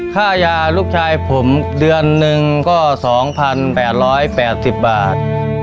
ค่ายาลูกชายผมเดือนหนึ่งก็๒๘๘๐บาท